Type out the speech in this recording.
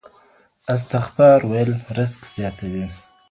استغفار ویل رزق زیاتوي.